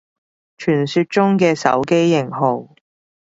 傳說中嘅手機型號